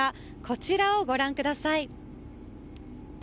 こちらをご覧ください。